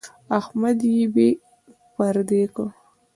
احمد يې بې پردې کړ.